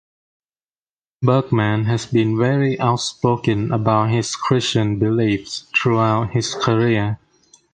Berkman has been very outspoken about his Christian beliefs throughout his career.